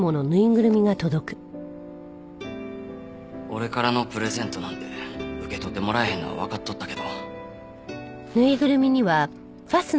俺からのプレゼントなんて受け取ってもらえへんのはわかっとったけど。